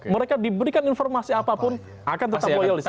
mereka diberikan informasi apapun akan tetap loyal disana